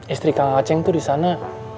istri kang aceng tuh di sana